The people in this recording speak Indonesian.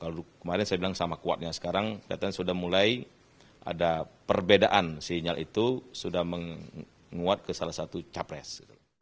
lalu kemarin saya bilang sama kuatnya sekarang kelihatan sudah mulai ada perbedaan sinyal itu sudah menguat ke salah satu capres